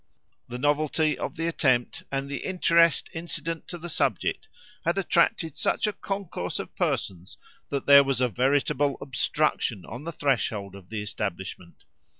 The novelty of the attempt, and the interest incident to the subject, had attracted such a concourse of persons that there was a veritable obstruction on the threshold of the establishment.